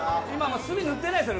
墨塗ってないですよね？